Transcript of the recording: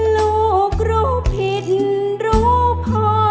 ลูกรู้ผิดรู้พอ